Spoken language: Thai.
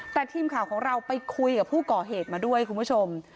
แต่ทีมข่าวของเราไปคุยกับผู้ก่อเหตุมาด้วยคุณผู้ชม